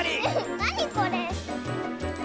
なにこれ？